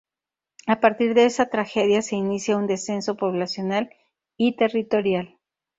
A partir de esa tragedia se inicia un descenso poblacional y territorial.